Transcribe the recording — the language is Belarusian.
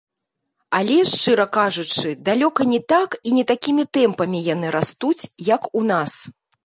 Але, шчыра кажучы, далёка не так і такімі тэмпамі яны растуць, як у нас.